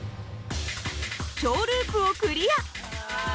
小ループをクリア。